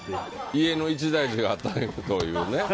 家の一大事があったのかもというね。